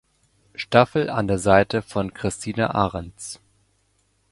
Staffel an der Seite von Christina Arends.